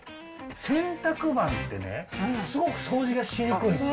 洗濯板って、すごく掃除がしにくいんですよ。